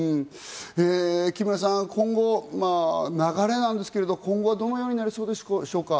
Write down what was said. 木村さん、今後の流れなんですけど、今後はどのようになりそうでしょうか？